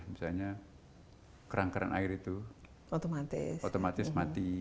misalnya kerang kerang air itu otomatis mati